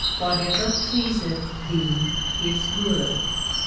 Whatever pleaseth Thee is good.